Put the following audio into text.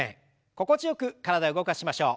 心地よく体を動かしましょう。